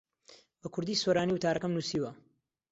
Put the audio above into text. بە کوردیی سۆرانی وتارەکەم نووسیوە.